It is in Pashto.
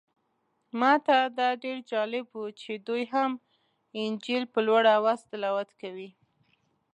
ماته دا ډېر جالبه و چې دوی هم انجیل په لوړ اواز تلاوت کوي.